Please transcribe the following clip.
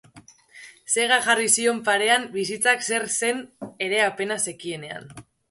Sega jarri zion parean bizitzak zer zen ere apenas zekienean.